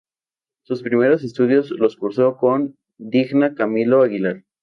Sus primeros estudios los cursó con Digna Camilo Aguilar.